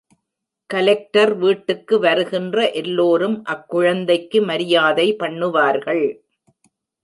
Collector வீட்டுக்கு வருகின்ற எல்லோரும் அக்குழந்தைக்கு மரியாதை பண்ணுவார்கள்.